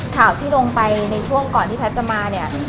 ข่าวที่ลงไปในช่วงก่อนที่แพทย์จะมาเนี่ย